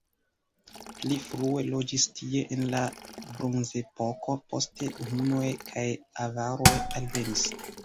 Pli frue loĝis tie en la bronzepoko, poste hunoj kaj avaroj alvenis.